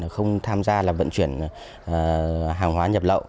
không tham gia vận chuyển hàng hóa nhập lậu